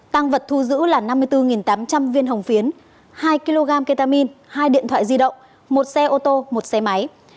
tăng vật thu giữ là năm mươi bốn tám trăm linh viên hồng phiến hai kg ketamin hai điện thoại di động một xe ô tô một xe máy